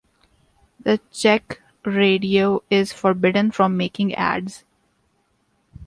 The Czech radio is forbidden from making ads.